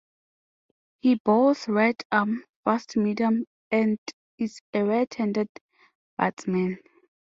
He bowls right-arm fast-medium, and is a right-handed batsman.